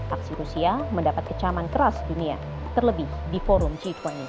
aksi rusia mendapat kecaman keras dunia terlebih di forum g dua puluh